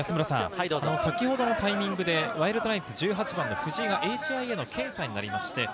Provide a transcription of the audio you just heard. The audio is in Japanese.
先ほどのタイミングでワールドナイツ１８番・藤井が検査になりました。